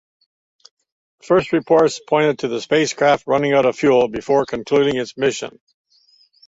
First reports pointed to the spacecraft running out of fuel before concluding its mission.